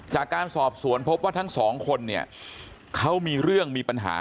จากการสอบสวนพบว่าทั้งสองคนเนี่ยเขามีเรื่องมีปัญหา